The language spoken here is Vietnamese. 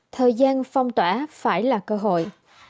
thời gian phong tỏa phải là cơ hội